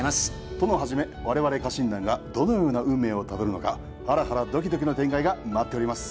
殿はじめ我々家臣団がどのような運命をたどるのかハラハラドキドキの展開が待っております。